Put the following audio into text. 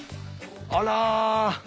あら。